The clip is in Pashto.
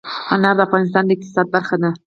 انار د افغانستان د اقتصاد برخه ده.